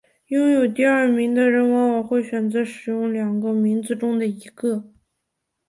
拥有第二名的人往往会选择使用两个名字中的一个。